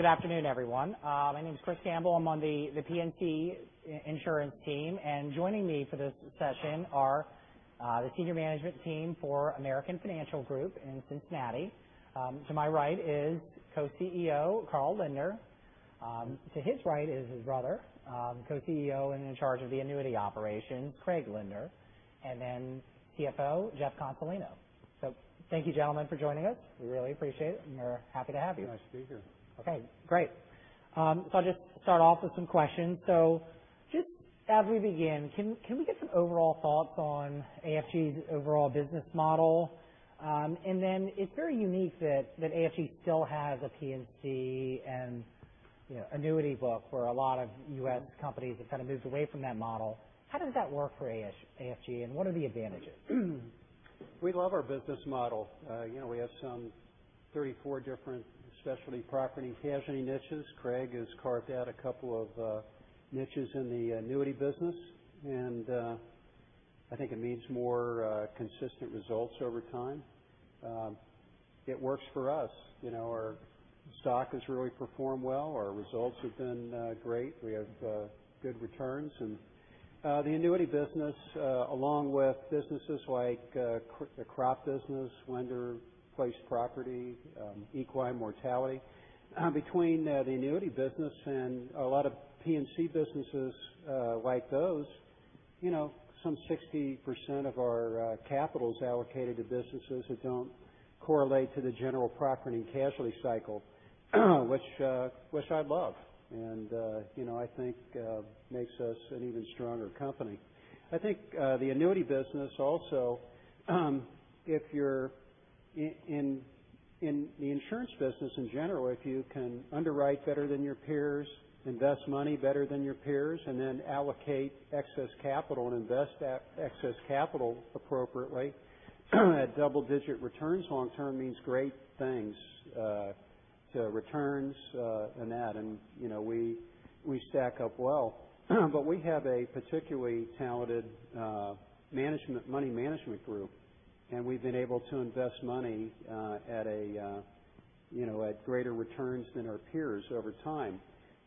Good afternoon, everyone. My name is Chris Campbell. I am on the P&C insurance team. Joining me for this session are the senior management team for American Financial Group in Cincinnati. To my right is Co-CEO, Carl Lindner. To his right is his brother, Co-CEO and in charge of the annuity operation, Craig Lindner. Then CFO, Jeff Consolino. Thank you, gentlemen, for joining us. We really appreciate it, and we are happy to have you. Nice to be here. Okay, great. I'll just start off with some questions. Just as we begin, can we get some overall thoughts on AFG's overall business model? It's very unique that AFG still has a P&C and annuity book for a lot of U.S. companies that kind of moved away from that model. How does that work for AFG, and what are the advantages? We love our business model. We have some 34 different specialty property casualty niches. Craig has carved out a couple of niches in the annuity business. I think it means more consistent results over time. It works for us. Our stock has really performed well. Our results have been great. We have good returns. The annuity business, along with businesses like the crop business, lender placed property, equine mortality. Between the annuity business and a lot of P&C businesses like those, some 60% of our capital is allocated to businesses that don't correlate to the general property and casualty cycle, which I love, and I think makes us an even stronger company. I think the annuity business also, in the insurance business in general, if you can underwrite better than your peers, invest money better than your peers, and then allocate excess capital and invest that excess capital appropriately, double-digit returns long term means great things to returns and that, and we stack up well. We have a particularly talented money management group, and we've been able to invest money at greater returns than our peers over time.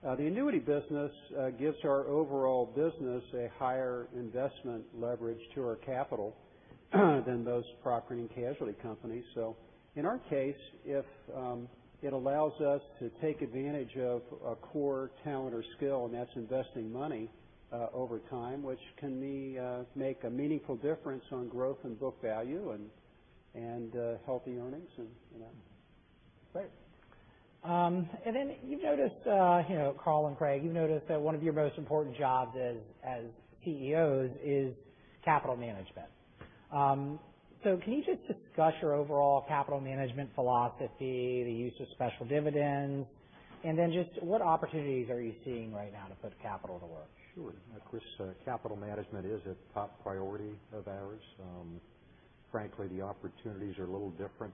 The annuity business gives our overall business a higher investment leverage to our capital than most property and casualty companies. In our case, if it allows us to take advantage of a core talent or skill, and that's investing money over time, which can make a meaningful difference on growth and book value and healthy earnings. Great. You've noticed, Carl and Craig, you've noticed that one of your most important jobs as CEOs is capital management. Can you just discuss your overall capital management philosophy, the use of special dividends, what opportunities are you seeing right now to put capital to work? Sure. Chris, capital management is a top priority of ours. Frankly, the opportunities are a little different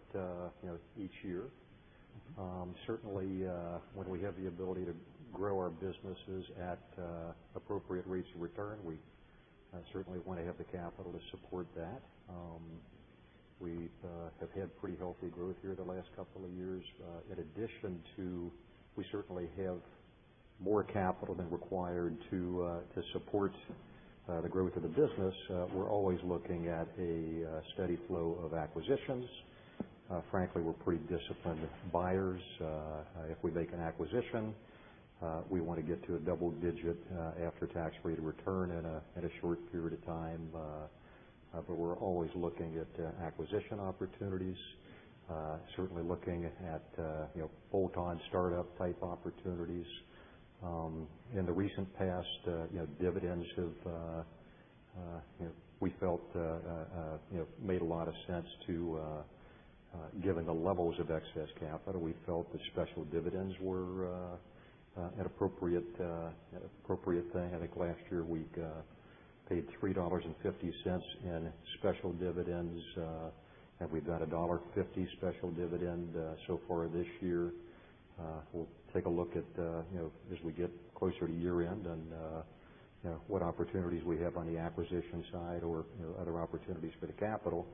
each year. Certainly, when we have the ability to grow our businesses at appropriate rates of return, we certainly want to have the capital to support that. We have had pretty healthy growth here the last couple of years. In addition to we certainly have more capital than required to support the growth of the business. We're always looking at a steady flow of acquisitions. Frankly, we're pretty disciplined buyers. If we make an acquisition, we want to get to a double digit after-tax rate of return in a short period of time. We're always looking at acquisition opportunities, certainly looking at bolt-on startup type opportunities. In the recent past, dividends, we felt made a lot of sense to, given the levels of excess capital, we felt that special dividends were an appropriate thing. I think last year we paid $3.50 in special dividends, and we've got $1.50 special dividend so far this year. We'll take a look as we get closer to year end and what opportunities we have on the acquisition side or other opportunities for the capital.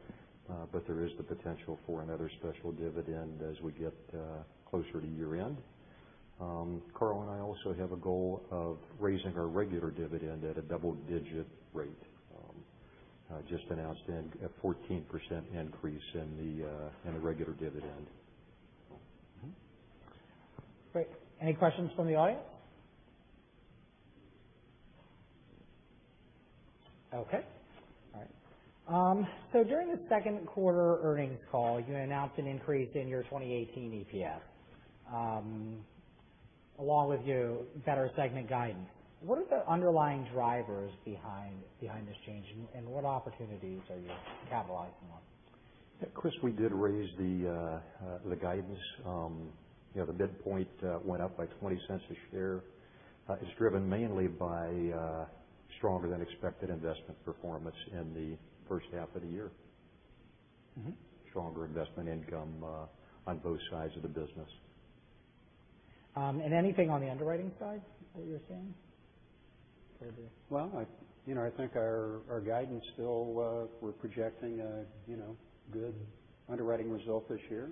There is the potential for another special dividend as we get closer to year end. Carl and I also have a goal of raising our regular dividend at a double-digit rate. Just announced a 14% increase in the regular dividend. Great. Any questions from the audience? Okay. All right. During the second quarter earnings call, you announced an increase in your 2018 EPS, along with your better segment guidance. What are the underlying drivers behind this change, and what opportunities are you capitalizing on? Chris, we did raise the guidance. The midpoint went up by $0.20 a share. It's driven mainly by stronger than expected investment performance in the first half of the year. Stronger investment income on both sides of the business. Anything on the underwriting side that you're seeing? Well, I think our guidance still, we're projecting a good underwriting result this year.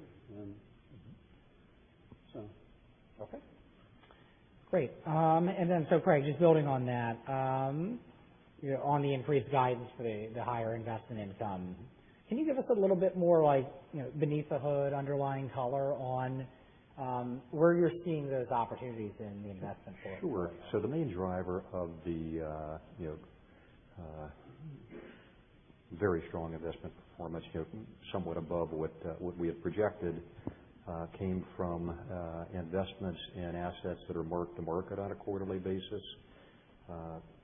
Okay. Great. Craig, just building on that. On the increased guidance for the higher investment income, can you give us a little bit more beneath the hood, underlying color on where you're seeing those opportunities in the investment portfolio? Sure. The main driver of the very strong investment performance, somewhat above what we had projected, came from investments in assets that are marked to market on a quarterly basis.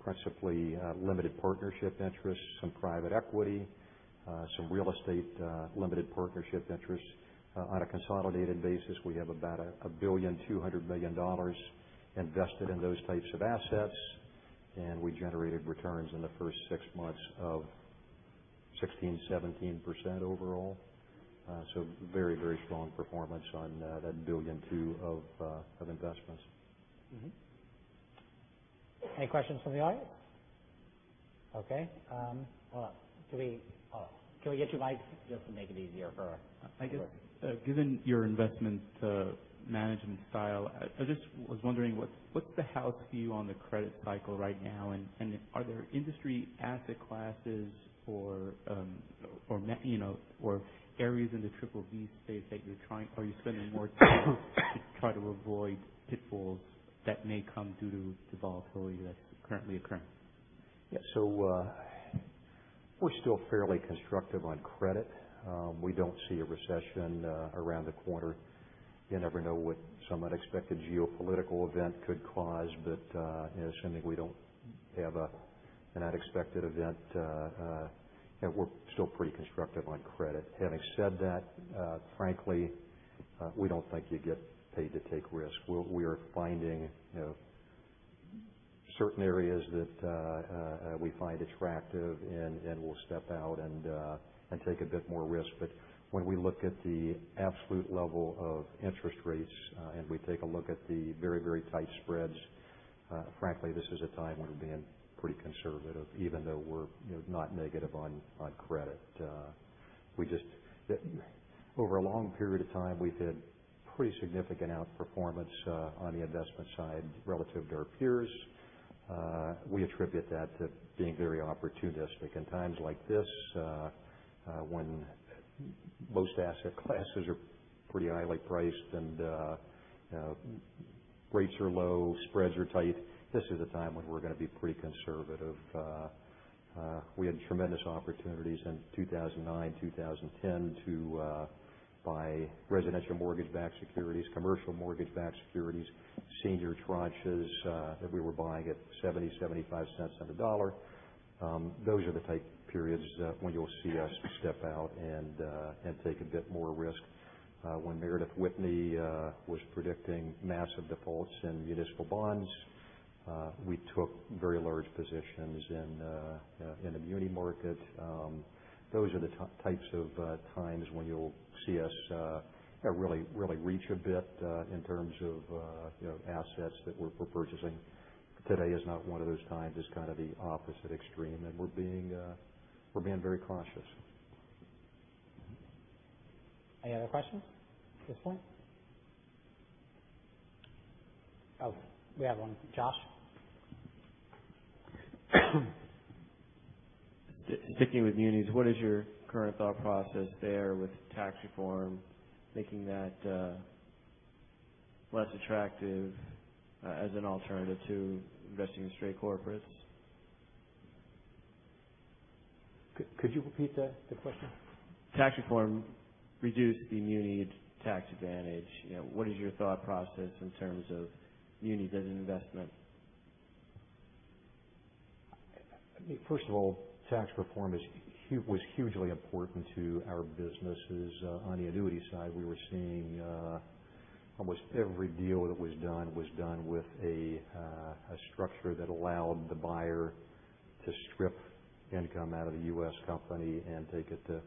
Principally, limited partnership interests, some private equity, some real estate limited partnership interests. On a consolidated basis, we have about $1.2 billion invested in those types of assets, and we generated returns in the first six months of 2016, 17% overall. Very strong performance on that $1.2 billion of investments. Mm-hmm. Any questions from the audience? Okay. Hold on. Can we get you a mic just to make it easier for- I guess, given your investments management style, I just was wondering what's the house view on the credit cycle right now, and are there industry asset classes or areas in the triple B space that you're spending more time to try to avoid pitfalls that may come due to volatility that's currently occurring? Yeah. We're still fairly constructive on credit. We don't see a recession around the corner. You never know what some unexpected geopolitical event could cause. Assuming we don't have an unexpected event, we're still pretty constructive on credit. Having said that, frankly, we don't think you get paid to take risks. We are finding certain areas that we find attractive, and we'll step out and take a bit more risk. When we look at the absolute level of interest rates, and we take a look at the very tight spreads, frankly, this is a time when we're being pretty conservative, even though we're not negative on credit. Over a long period of time, we've had pretty significant outperformance on the investment side relative to our peers. We attribute that to being very opportunistic in times like this when most asset classes are pretty highly priced, and rates are low, spreads are tight. This is a time when we're going to be pretty conservative. We had tremendous opportunities in 2009, 2010 to buy residential mortgage-backed securities, commercial mortgage-backed securities, senior tranches that we were buying at $0.70, $0.75 on the dollar. Those are the type of periods when you'll see us step out and take a bit more risk. When Meredith Whitney was predicting massive defaults in municipal bonds, we took very large positions in the muni market. Those are the types of times when you'll see us really reach a bit in terms of assets that we're purchasing. Today is not one of those times. It's kind of the opposite extreme, and we're being very cautious. Any other questions at this point? Oh, we have one. Josh? Sticking with munis, what is your current thought process there with tax reform making that less attractive as an alternative to investing in straight corporates? Could you repeat the question? Tax reform reduced the muni tax advantage. What is your thought process in terms of munis as an investment? I think first of all, tax reform was hugely important to our businesses. On the annuity side, we were seeing almost every deal that was done was done with a structure that allowed the buyer to strip income out of the U.S. company and take it to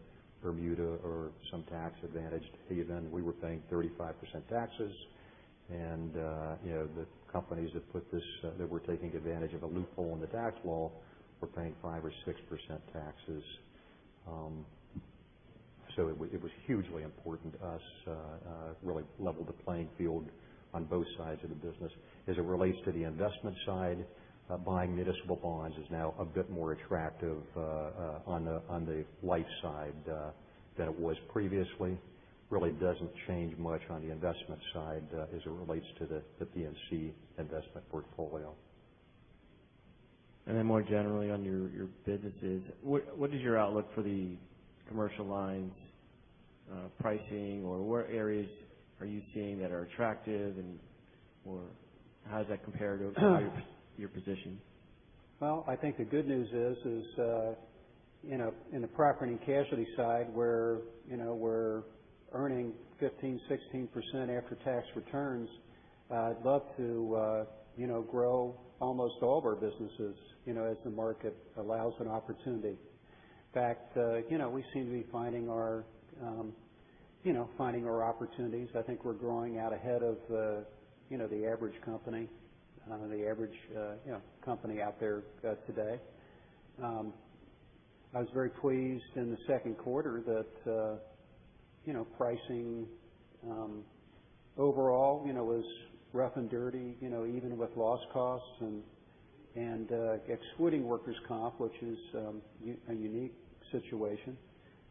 Bermuda or some tax advantage. We were paying 35% taxes, and the companies that were taking advantage of a loophole in the tax law were paying 5% or 6% taxes. It was hugely important to us, really leveled the playing field on both sides of the business. As it relates to the investment side, buying municipal bonds is now a bit more attractive on the life side than it was previously. Really doesn't change much on the investment side as it relates to the P&C investment portfolio. More generally on your businesses, what is your outlook for the commercial lines pricing, or what areas are you seeing that are attractive or how does that compare to your position? Well, I think the good news is in the property and casualty side, where we're earning 15, 16% after-tax returns, I'd love to grow almost all of our businesses as the market allows an opportunity. In fact, we seem to be finding our opportunities. I think we're growing out ahead of the average company out there today. I was very pleased in the second quarter that pricing overall was rough and dirty, even with loss costs and excluding workers' comp, which is a unique situation.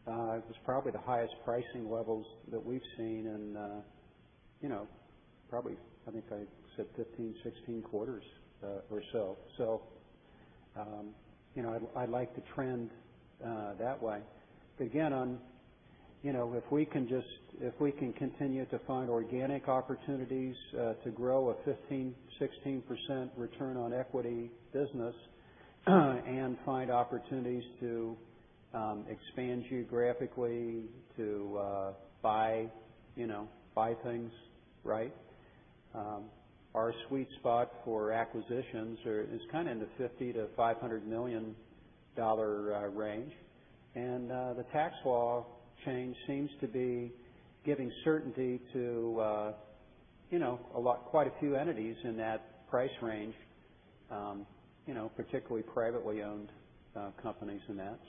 It was probably the highest pricing levels that we've seen in probably, I think I said 15, 16 quarters or so. I like the trend that way. Again, if we can continue to find organic opportunities to grow a 15, 16% return on equity business and find opportunities to expand geographically, to buy things right. Our sweet spot for acquisitions is kind of in the $50 million-$500 million range. The tax law change seems to be giving certainty to quite a few entities in that price range, particularly privately owned companies in that.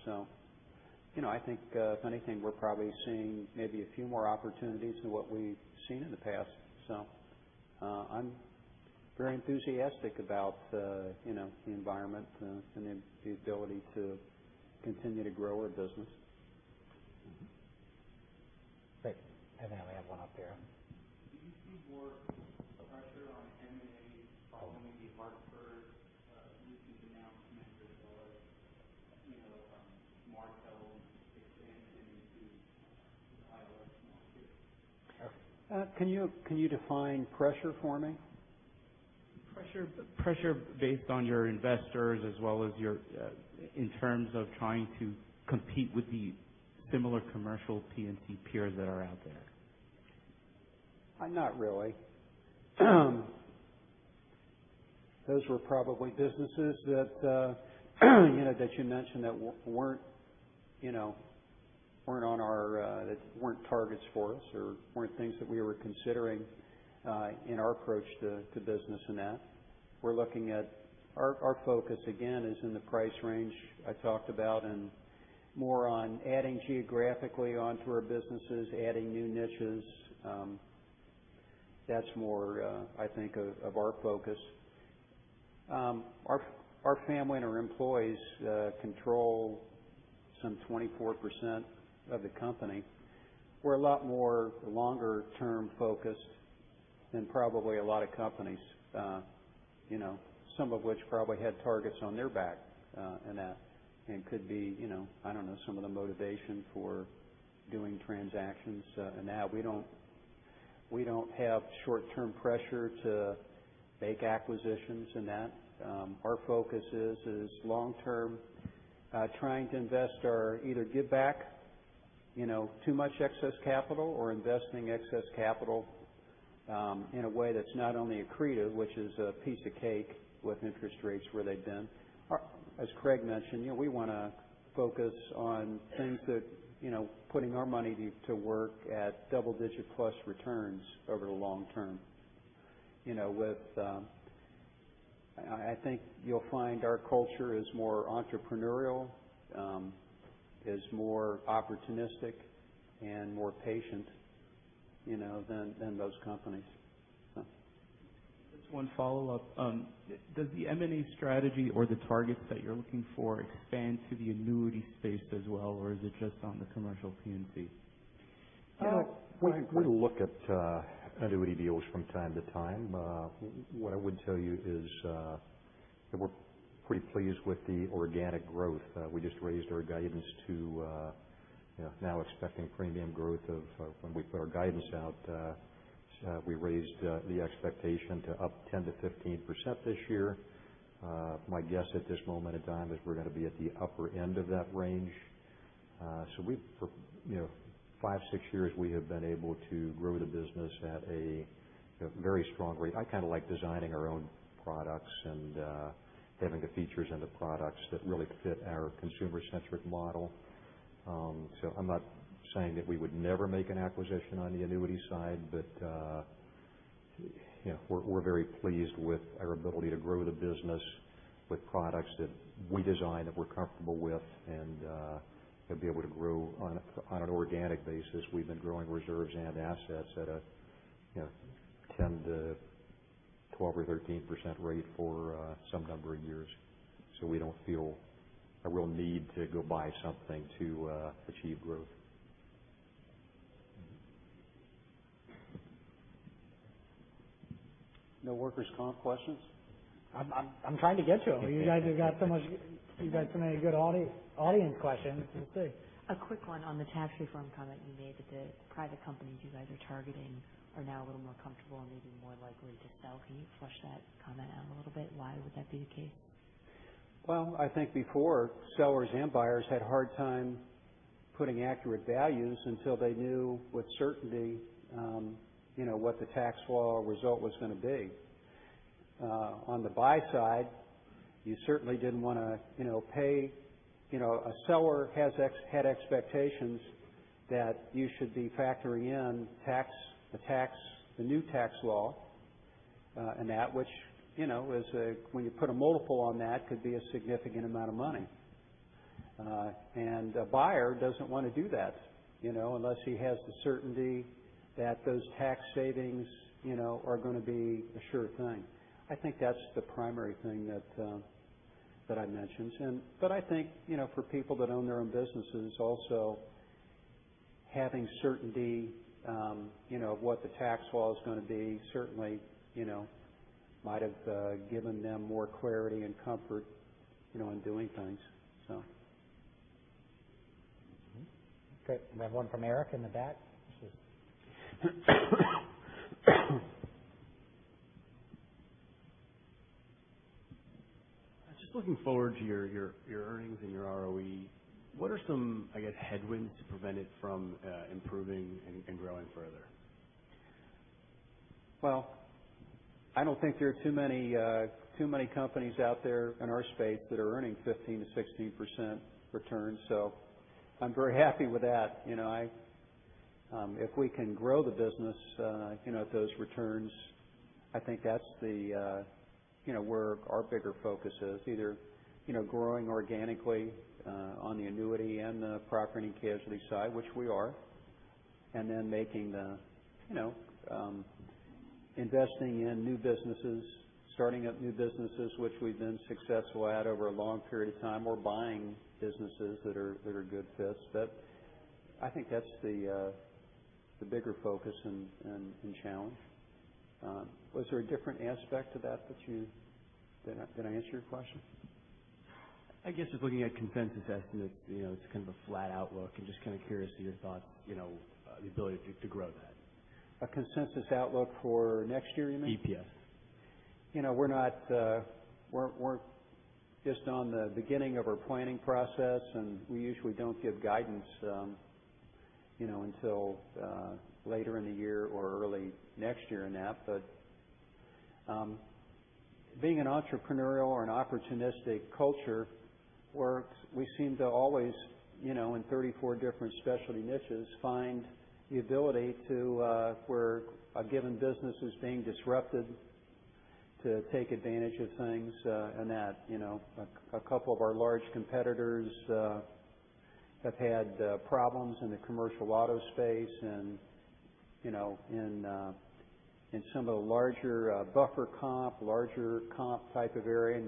I think if anything, we're probably seeing maybe a few more opportunities than what we've seen in the past. I'm very enthusiastic about the environment and the ability to continue to grow our business. Great. We have one out there. Do you see more pressure on M&A following the announcement or from Markel expanding into the? Can you define pressure for me? Pressure based on your investors, as well as in terms of trying to compete with the similar commercial P&C peers that are out there. Not really. Those were probably businesses that you mentioned that weren't targets for us or weren't things that we were considering in our approach to business in that. Our focus, again, is in the price range I talked about, and more on adding geographically onto our businesses, adding new niches. That's more, I think, of our focus. Our family and our employees control some 24% of the company. We're a lot more longer term focused than probably a lot of companies, some of which probably had targets on their back and that. Could be, I don't know, some of the motivation for doing transactions, and that. We don't have short-term pressure to make acquisitions, and that. Our focus is long-term, trying to invest or either give back too much excess capital or investing excess capital in a way that's not only accretive, which is a piece of cake with interest rates where they've been. As Craig mentioned, we want to focus on things that, putting our money to work at double-digit plus returns over the long term. I think you'll find our culture is more entrepreneurial, is more opportunistic, and more patient than those companies. Just one follow-up. Does the M&A strategy or the targets that you're looking for expand to the annuity space as well, or is it just on the commercial P&C? We look at annuity deals from time to time. What I would tell you is that we're pretty pleased with the organic growth. We just raised our guidance to now expecting premium growth of, when we put our guidance out, we raised the expectation to up 10% to 15% this year. My guess at this moment in time is we're going to be at the upper end of that range. For five, six years, we have been able to grow the business at a very strong rate. I kind of like designing our own products and having the features and the products that really fit our consumer-centric model. I'm not saying that we would never make an acquisition on the annuity side, but we're very pleased with our ability to grow the business with products that we design, that we're comfortable with, and be able to grow on an organic basis. We've been growing reserves and assets at a 10% to 12% or 13% rate for some number of years. We don't feel a real need to go buy something to achieve growth. No workers' comp questions? I'm trying to get to them. You guys have so many good audience questions. Let's see. A quick one on the tax reform comment you made, that the private companies you guys are targeting are now a little more comfortable and maybe more likely to sell. Can you flesh that comment out a little bit? Why would that be the case? Well, I think before, sellers and buyers had a hard time putting accurate values until they knew with certainty what the tax law result was going to be. On the buy side, you certainly didn't want to pay A seller had expectations that you should be factoring in the new tax law, and that, which, when you put a multiple on that, could be a significant amount of money. A buyer doesn't want to do that, unless he has the certainty that those tax savings are going to be a sure thing. I think that's the primary thing that I mentioned. I think, for people that own their own businesses, also, having certainty of what the tax law is going to be certainly might have given them more clarity and comfort in doing things. Okay. We have one from Eric in the back. Just looking forward to your earnings and your ROE, what are some, I guess, headwinds to prevent it from improving and growing further? Well, I don't think there are too many companies out there in our space that are earning 15%-16% returns, so I'm very happy with that. If we can grow the business at those returns, I think that's where our bigger focus is. Either growing organically on the annuity and the property and casualty side, which we are. Investing in new businesses, starting up new businesses, which we've been successful at over a long period of time. We're buying businesses that are good fits. I think that's the bigger focus and challenge. Was there a different aspect to that? Did I answer your question? I guess just looking at consensus estimates, it's kind of a flat outlook and just kind of curious to your thought, the ability to grow that. A consensus outlook for next year, you mean? EPS. We're just on the beginning of our planning process. We usually don't give guidance until later in the year or early next year in that. Being an entrepreneurial or an opportunistic culture, we seem to always, in 34 different specialty niches, find the ability to, where a given business is being disrupted, to take advantage of things, and that. A couple of our large competitors have had problems in the commercial auto space and in some of the larger buffer comp, larger comp type of area.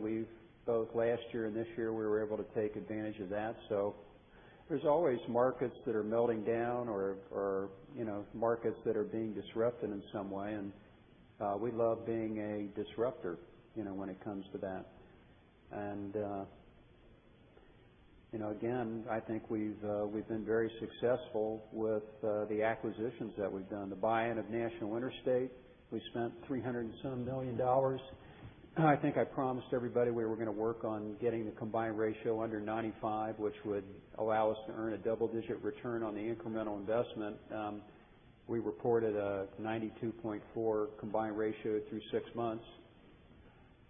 Both last year and this year, we were able to take advantage of that. There's always markets that are melting down or markets that are being disrupted in some way. We love being a disruptor when it comes to that. Again, I think we've been very successful with the acquisitions that we've done. The buy-in of National Interstate, we spent $300 and some million. I think I promised everybody we were going to work on getting the combined ratio under 95, which would allow us to earn a double-digit return on the incremental investment. We reported a 92.4 combined ratio through six months,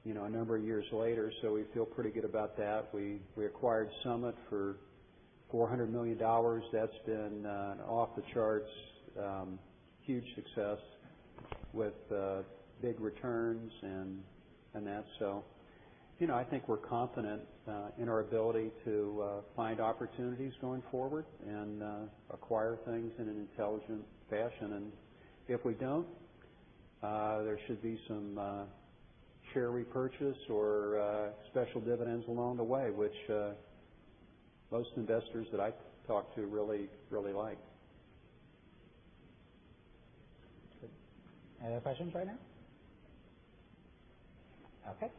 a number of years later. We feel pretty good about that. We acquired Summit for $400 million. That's been an off-the-charts, huge success with big returns and that. I think we're confident in our ability to find opportunities going forward and acquire things in an intelligent fashion. If we don't, there should be some share repurchase or special dividends along the way, which most investors that I talk to really like. Any other questions right now? Okay,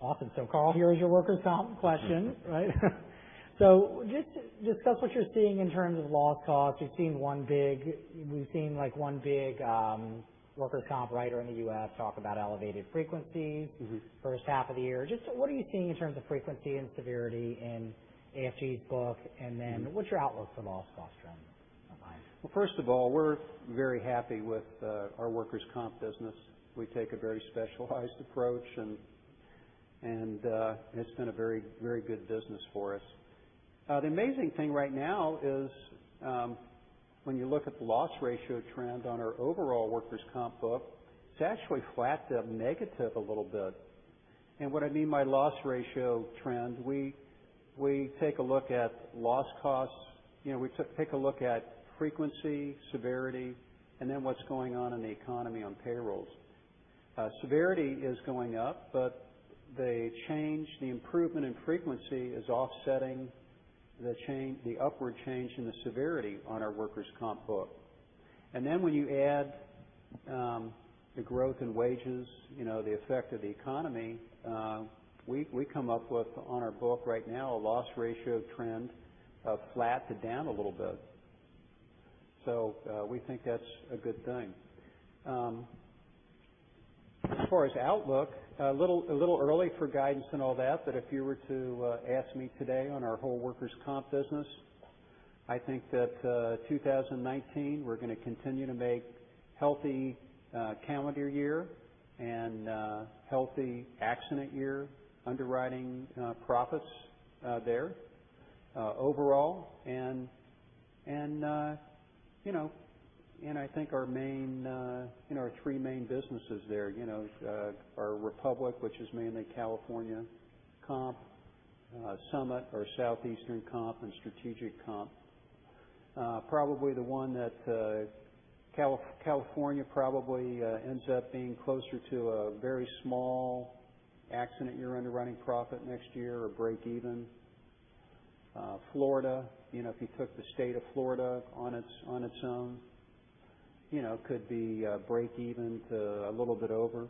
awesome. Carl, here is your workers' comp question, right? Just discuss what you're seeing in terms of loss costs. We've seen one big workers' comp writer in the U.S. talk about elevated frequencies. first half of the year. Just what are you seeing in terms of frequency and severity in AFG's book, and then what's your outlook for loss cost trends going forward? Well, first of all, we're very happy with our workers' comp business. We take a very specialized approach, and it's been a very good business for us. The amazing thing right now is when you look at the loss ratio trend on our overall workers' comp book, it's actually flat to negative a little bit. What I mean by loss ratio trend, we take a look at loss costs. We take a look at frequency, severity, and then what's going on in the economy on payrolls. Severity is going up, but the improvement in frequency is offsetting the upward change in the severity on our workers' comp book. When you add the growth in wages, the effect of the economy, we come up with, on our book right now, a loss ratio trend of flat to down a little bit. We think that's a good thing. As far as outlook, a little early for guidance and all that, but if you were to ask me today on our whole workers' comp business I think that 2019, we're going to continue to make healthy calendar year and healthy accident year underwriting profits there overall. I think our three main businesses there are Republic, which is mainly California comp, Summit, our Southeastern comp, and Strategic Comp. California probably ends up being closer to a very small accident year underwriting profit next year or break even. If you took the state of Florida on its own, could be break even to a little bit over.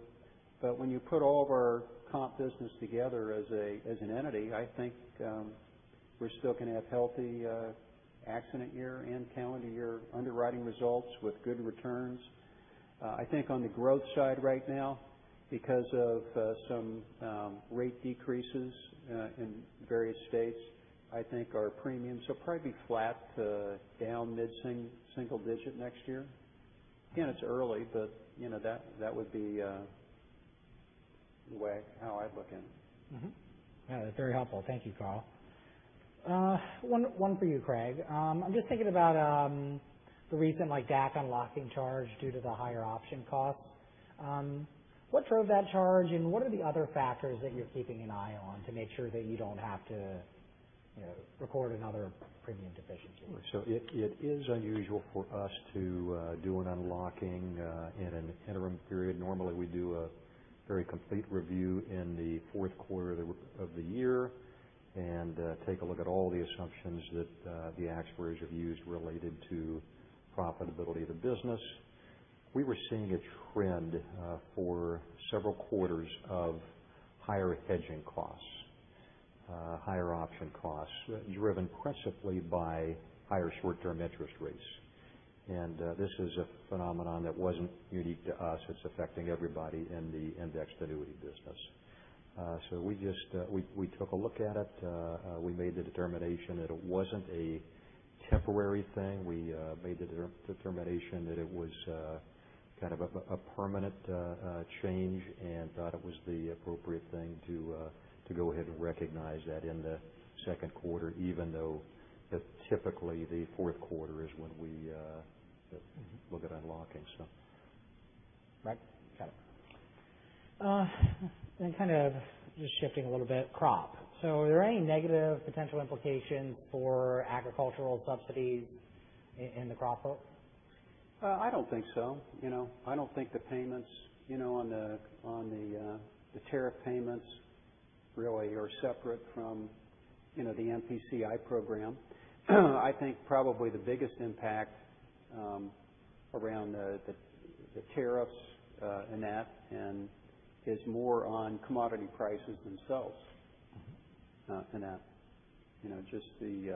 When you put all of our comp business together as an entity, I think we're still going to have healthy accident year and calendar year underwriting results with good returns. I think on the growth side right now, because of some rate decreases in various states, I think our premiums will probably be flat to down mid-single digit next year. Again, it's early, but that would be the way, how I'd look at it. That's very helpful. Thank you, Carl. One for you, Craig. I'm just thinking about the recent DAC unlocking charge due to the higher option cost. What drove that charge, and what are the other factors that you're keeping an eye on to make sure that you don't have to record another premium deficiency? It is unusual for us to do an unlocking in an interim period. Normally, we do a very complete review in the fourth quarter of the year and take a look at all the assumptions that the actuaries have used related to profitability of the business. We were seeing a trend for several quarters of higher hedging costs, higher option costs, driven principally by higher short-term interest rates. This is a phenomenon that wasn't unique to us. It's affecting everybody in the indexed annuity business. We took a look at it. We made the determination that it wasn't a temporary thing. We made the determination that it was kind of a permanent change and thought it was the appropriate thing to go ahead and recognize that in the second quarter, even though typically the fourth quarter is when we look at unlocking stuff. Right. Got it. Kind of just shifting a little bit, crop. Are there any negative potential implications for agricultural subsidies in the crop book? I don't think so. I don't think the tariff payments really are separate from the MPCI program. I think probably the biggest impact around the tariffs and that is more on commodity prices themselves than that. Just the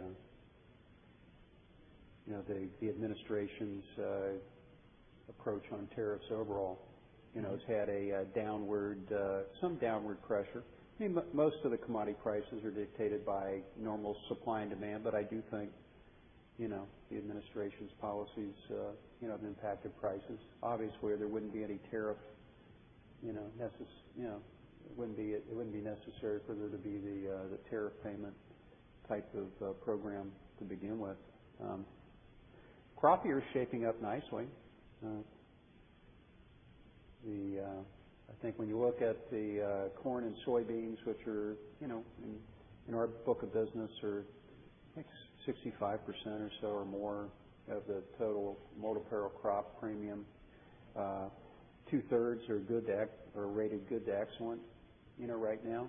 administration's approach on tariffs overall has had some downward pressure. Most of the commodity prices are dictated by normal supply and demand, but I do think the administration's policies have impacted prices. Obviously, it wouldn't be necessary for there to be the tariff payment type of program to begin with. Crop year's shaping up nicely. I think when you look at the corn and soybeans, which are in our book of business are, I think, 65% or so or more of the total multi-peril crop premium. Two-thirds are rated good to excellent right now.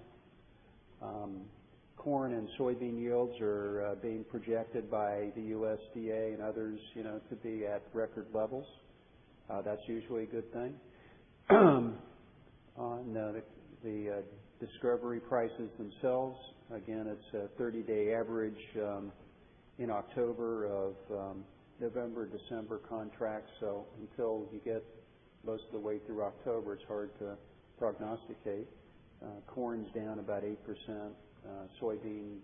Corn and soybean yields are being projected by the USDA and others to be at record levels. That's usually a good thing. On the price discovery themselves, again, it's a 30-day average in October of November, December contracts. Until you get most of the way through October, it's hard to prognosticate. Corn's down about 8%. Soybean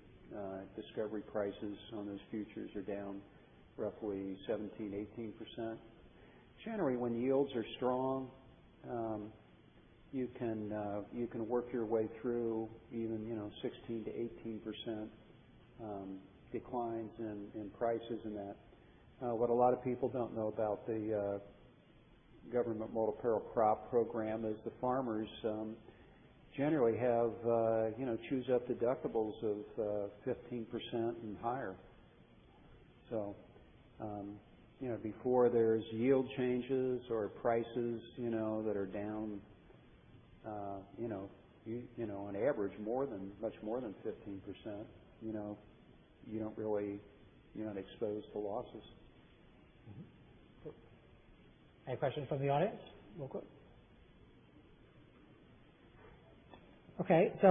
price discovery on those futures are down roughly 17%, 18%. Generally, when yields are strong, you can work your way through even 16%-18% declines in prices and that. What a lot of people don't know about the government Multi-Peril Crop Program is the farmers generally choose up deductibles of 15% and higher. Before there's yield changes or prices that are down on average much more than 15%, you're not exposed to losses. Any questions from the audience real quick?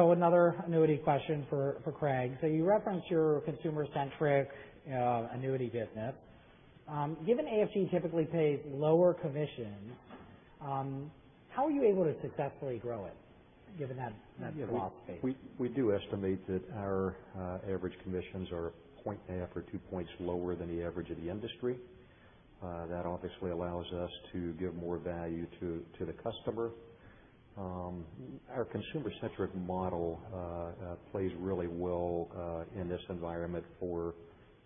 Another annuity question for Craig. You referenced your consumer-centric annuity business. Given AFG typically pays lower commissions, how are you able to successfully grow it given that small space? We do estimate that our average commissions are 0.5 or two points lower than the average of the industry. That obviously allows us to give more value to the customer. Our consumer-centric model plays really well in this environment for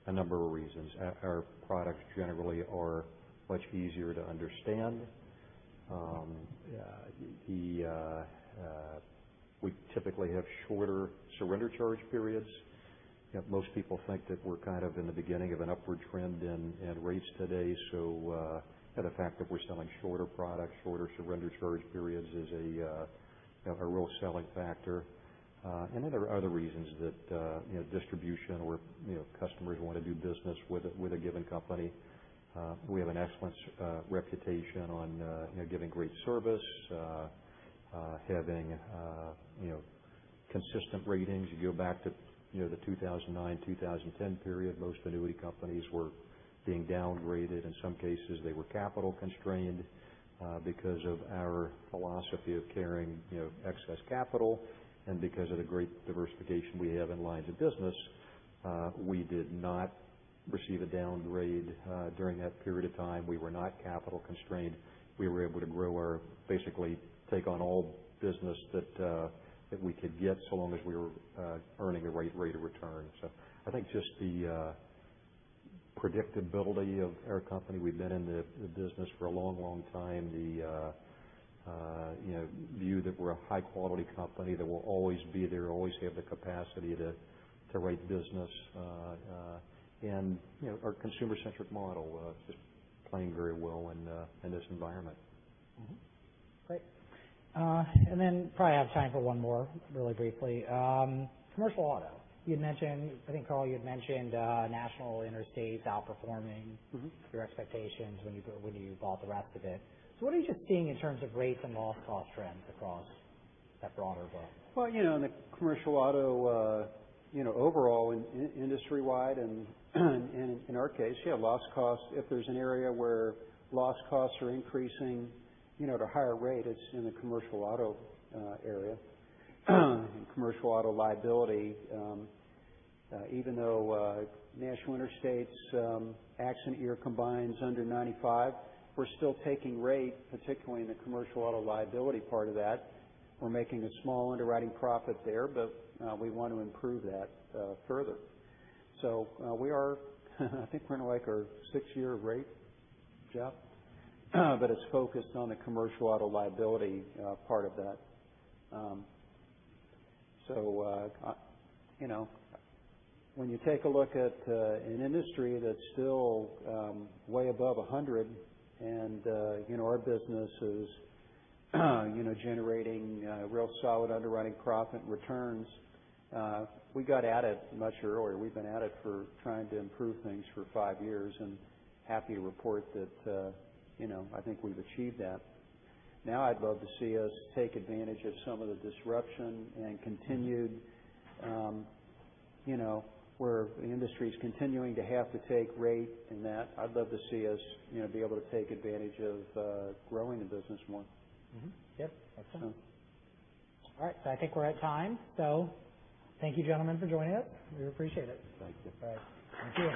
a number of reasons. Our products generally are much easier to understand. We typically have shorter surrender charge periods. Yet most people think that we're kind of in the beginning of an upward trend in rates today. The fact that we're selling shorter products, shorter surrender charge periods is a real selling factor. There are other reasons that distribution or customers want to do business with a given company. We have an excellent reputation on giving great service, having consistent ratings. You go back to the 2009, 2010 period, most annuity companies were being downgraded. In some cases, they were capital constrained. Because of our philosophy of carrying excess capital and because of the great diversification we have in lines of business, we did not receive a downgrade during that period of time. We were not capital constrained. We were able to basically take on all business that we could get so long as we were earning the right rate of return. I think just the predictability of our company. We've been in the business for a long, long time. The view that we're a high-quality company that will always be there, always have the capacity to write business, and our consumer-centric model just playing very well in this environment. Mm-hmm. Great. Probably have time for one more, really briefly. Commercial auto. I think, Carl, you had mentioned National Interstate outperforming your expectations when you bought the rest of it. What are you seeing in terms of rates and loss cost trends across that broader book? Well, in the commercial auto overall, industry-wide and in our case, yeah, loss cost, if there's an area where loss costs are increasing at a higher rate, it's in the commercial auto area. In commercial auto liability, even though National Interstate's accident year combines under 95, we're still taking rate, particularly in the commercial auto liability part of that. We're making a small underwriting profit there, but we want to improve that further. I think we're in our sixth year of rate, Jeff, but it's focused on the commercial auto liability part of that. When you take a look at an industry that's still way above 100 and our business is generating real solid underwriting profit returns, we got at it much earlier. We've been at it for trying to improve things for five years, and happy to report that I think we've achieved that. Now I'd love to see us take advantage of some of the disruption, where the industry's continuing to have to take rate in that. I'd love to see us be able to take advantage of growing the business more. Mm-hmm. Yep. Excellent. All right. I think we're at time. Thank you, gentlemen, for joining us. We appreciate it. Thank you. All right. Thank you.